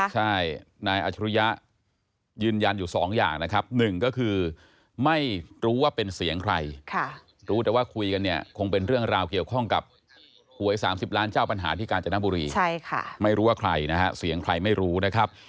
ใช่ค่ะไม่รู้ว่าใครนะคะเสียงใครไม่รู้นะครับ